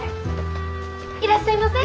いらっしゃいませ。